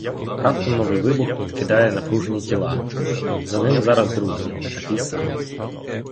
Раптом новий вибух підкидає напружені тіла, за ним зараз другий, такий самий.